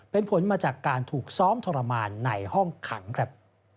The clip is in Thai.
เป็นผลมาจากการถูกซ้อมทรมานในห้องขังครับ